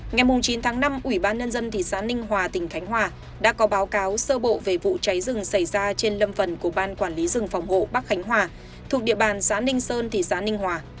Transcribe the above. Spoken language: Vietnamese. ngày chín tháng năm ủy ban nhân dân thị xã ninh hòa tỉnh khánh hòa đã có báo cáo sơ bộ về vụ cháy rừng xảy ra trên lâm phần của ban quản lý rừng phòng hộ bắc khánh hòa thuộc địa bàn xã ninh sơn thị xã ninh hòa